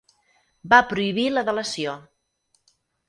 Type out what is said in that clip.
Va prohibir la delació.